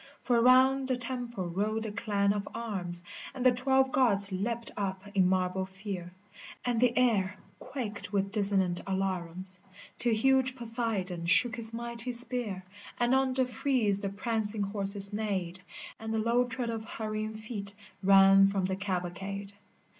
For round the temple rolled the clang of arms, And the twelve Gods leapt up in marble fear,, ^ And the air quaked with dissonant alarums Till huge Poseidon shook his mighty spear, And on the frieze the prancing horses neighed. And the low tread of hurrying feet rang from the cavalcade.